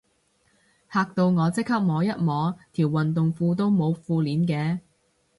嚇到我即刻摸一摸，條運動褲都冇褲鏈嘅